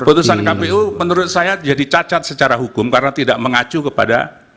keputusan kpu menurut saya jadi cacat secara hukum karena tidak mengacu kepada